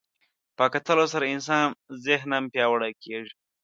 په کتلو سره انسان ذهناً پیاوړی کېږي